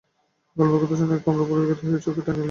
গল্পের কথা শুনিয়া কমলা পুলকিত হইয়া চৌকি টানিয়া লইয়া বসিল।